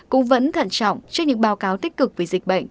cũng vẫn thận trọng trước những báo cáo tích cực về dịch bệnh